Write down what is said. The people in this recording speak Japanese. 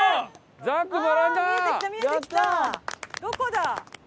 どこだ？